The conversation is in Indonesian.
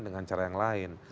dengan cara yang lain